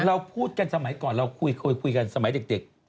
เราพูดกันสมัยก่อนเราคุยเคยคุยกันสมัยเด็ก